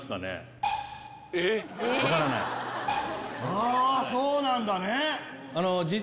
あそうなんだね！